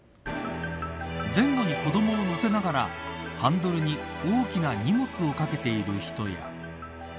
前後に子どもを乗せながらハンドルに大きな荷物をかけている人や。